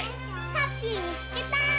ハッピーみつけた！